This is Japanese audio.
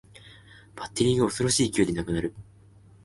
バッテリーが恐ろしい勢いでなくなる